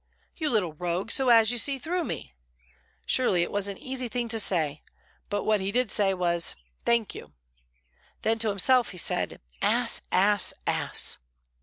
"You little rogue, so you see through me!" Surely it was an easy thing to say; but what he did say was "Thank you." Then to himself he said, "Ass, ass, ass!"